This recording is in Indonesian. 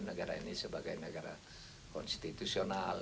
negara ini sebagai negara konstitusional